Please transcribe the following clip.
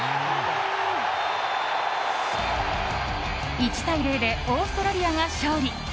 １対０でオーストラリアが勝利。